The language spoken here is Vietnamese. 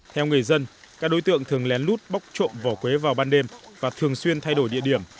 theo người dân các đối tượng thường lén lút bóc trộm vỏ quế vào ban đêm và thường xuyên thay đổi địa điểm